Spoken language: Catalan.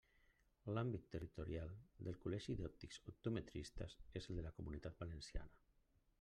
L'àmbit territorial del Col·legi d'Òptics Optometristes és el de la Comunitat Valenciana.